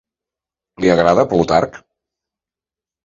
Li agrada a Plutarc?